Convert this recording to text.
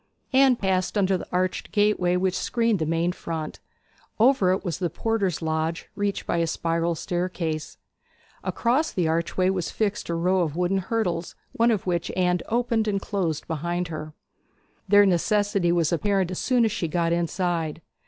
Anne passed under the arched gateway which screened the main front; over it was the porter's lodge, reached by a spiral staircase. Across the archway was fixed a row of wooden hurdles, one of which Anne opened and closed behind her. Their necessity was apparent as soon as she got inside.